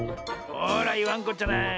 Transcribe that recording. ほらいわんこっちゃない。